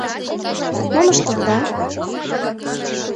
Мом ыштылыда?